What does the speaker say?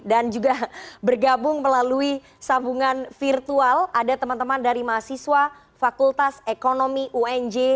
dan juga bergabung melalui sambungan virtual ada teman teman dari mahasiswa fakultas ekonomi unj